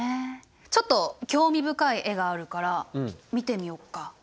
ちょっと興味深い絵があるから見てみようか。